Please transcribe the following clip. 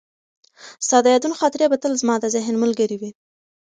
ستا د یادونو خاطرې به تل زما د ذهن ملګرې وي.